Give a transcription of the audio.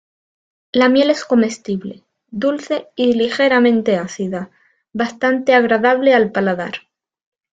La miel es comestible, dulce y ligeramente ácida, bastante agradable al paladar.